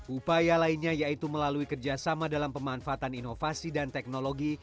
upaya lainnya yaitu melalui kerjasama dalam pemanfaatan inovasi dan teknologi